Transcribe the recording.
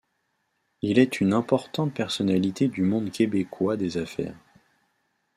Il est une importante personnalité du monde québécois des affaires.